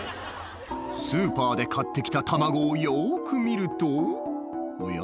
スーパーで買って来た卵をよく見るとおや？